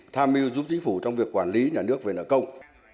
tham mưu giúp chính phủ trong việc quản lý nhà nước về nợ công